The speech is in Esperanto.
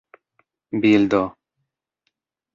bildo